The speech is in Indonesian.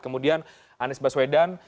kemudian anies baswedan